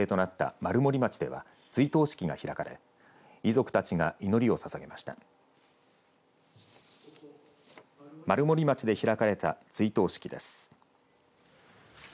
丸森町で開かれた追悼式です。